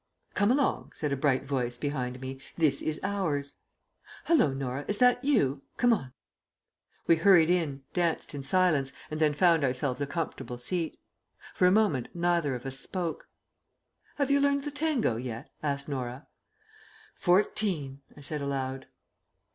"Come along," said a bright voice behind me; "this is ours." "Hallo, Norah, is that you? Come on." We hurried in, danced in silence, and then found ourselves a comfortable seat. For a moment neither of us spoke.... "Have you learnt the tango yet?" asked Norah. "Fourteen," I said aloud.